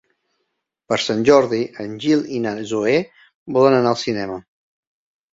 Per Sant Jordi en Gil i na Zoè volen anar al cinema.